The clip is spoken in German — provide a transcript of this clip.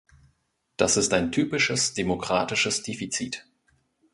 Das ist ein typisches demokratisches Defizit.